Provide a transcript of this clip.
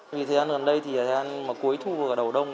vì thời gian gần đây thời gian cuối thu ở đầu đau